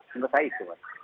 menurut saya itu mas